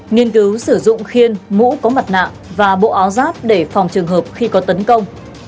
nghiên cứu sử dụng khiên mũ có mặt nạ và bộ áo giáp để phòng trường hợp khi có tấn công